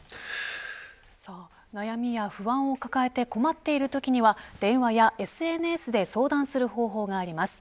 悩みや不安を抱えて困っているときには電話やＳＮＳで相談する方法があります。